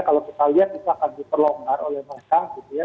kalau kita lihat itu akan diperlonggar oleh mereka gitu ya